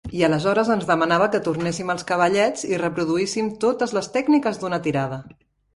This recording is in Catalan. I aleshores ens demanava que tornéssim als cavallets i reproduíssim totes les tècniques d'una tirada.